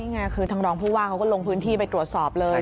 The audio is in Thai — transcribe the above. ไงคือทางรองผู้ว่าเขาก็ลงพื้นที่ไปตรวจสอบเลย